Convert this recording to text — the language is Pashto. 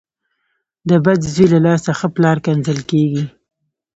د بد زوی له لاسه ښه پلار کنځل کېږي.